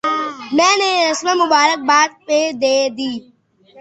میں نے رسما مبارکباد پہ دے دی۔